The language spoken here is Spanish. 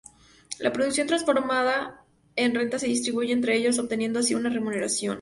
La producción transformada en renta se distribuye entre ellos, obteniendo así una remuneración.